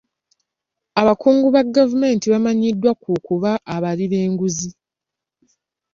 Abakungu ba gavumenti bamanyiddwa ku kuba abali b'enguzi.